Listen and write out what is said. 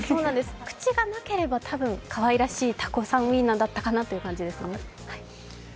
口がなければ、多分、かわいらしいタコさんウインナーだったかなという感じですね。